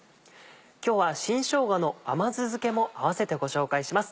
今日は新しょうがの甘酢漬けもあわせてご紹介します。